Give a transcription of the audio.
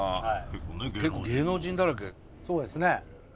そうですね。